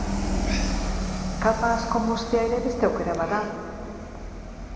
Kapa asko moztea ere beste aukera bat da.